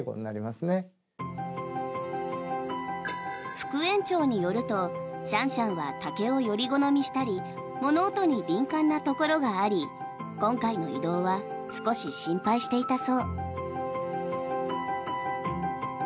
副園長によるとシャンシャンは竹をより好みしたり物音に敏感なところがあり今回の移動は少し心配していたそう。